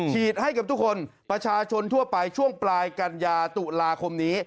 ให้กับทุกคนประชาชนทั่วไปช่วงปลายกันยาตุลาคมนี้